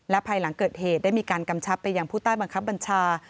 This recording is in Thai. แล้วไพรหลังเกิดเหตุได้มีรับกำชับอย่างหัวพูดต้ายบังคับบัญชา